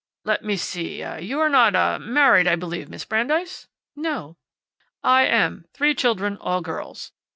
"Let me see you are not ah married, I believe, Miss Brandeis?" "No." "I am. Three children. All girls."